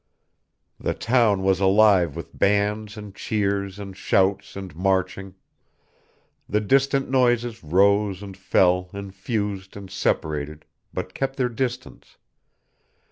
The town was alive with bands and cheers and shouts and marching; the distinct noises rose and fell and fused and separated, but kept their distance.